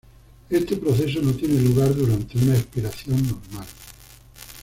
Este proceso no tiene lugar durante una espiración normal.